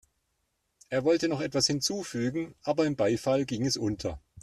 Er wollte noch etwas hinzufügen, aber im Beifall ging es unter.